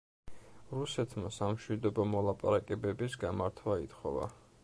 რუსეთმა სამშვიდობო მოლაპარაკებების გამართვა ითხოვა.